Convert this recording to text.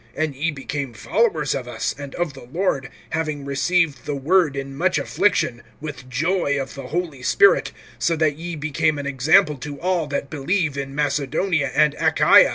(6)And ye became followers of us, and of the Lord, having received the word in much affliction, with joy of the Holy Spirit; (7)so that ye became an example to all that believe in Macedonia and Achaia.